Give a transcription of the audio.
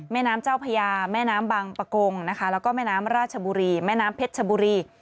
แม่น้ำเจ้าพญาแม่น้ำบังปะกงนะคะแล้วก็แม่น้ำราชบุรีแม่น้ำเพชรชบุรี